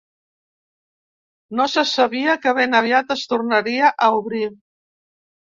No se sabia que ben aviat es tornaria a obrir.